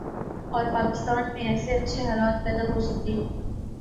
اور پاکستان میں ایسے اچھے حالات پیدا ہوسکتے ہیں ۔